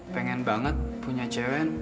pengen banget punya cewek